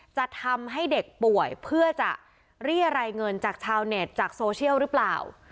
จะทำให้เด็กป่วยเพื่อจะเรียรายเงินจากชาวเน็ตจากโซเชียลหรือเปล่า